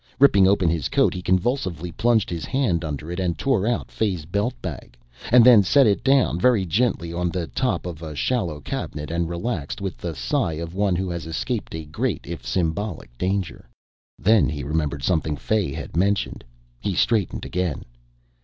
Ripping open his coat, he convulsively plunged his hand under it and tore out Fay's belt bag ... and then set it down very gently on the top of a shallow cabinet and relaxed with the sigh of one who has escaped a great, if symbolic, danger. Then he remembered something Fay had mentioned. He straightened again.